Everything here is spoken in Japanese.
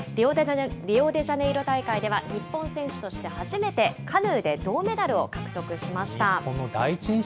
リオデジャネイロ大会では、日本選手として初めてカヌーで銅メダルを獲得しました。